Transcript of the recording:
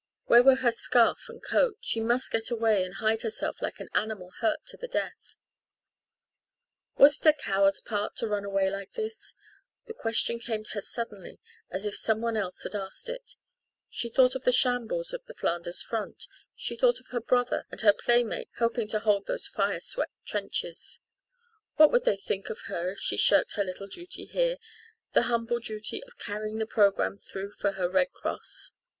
Where were her scarf and coat? She must get away and hide herself like an animal hurt to the death. Was it a coward's part to run away like this? The question came to her suddenly as if someone else had asked it. She thought of the shambles of the Flanders front she thought of her brother and her playmate helping to hold those fire swept trenches. What would they think of her if she shirked her little duty here the humble duty of carrying the programme through for her Red Cross?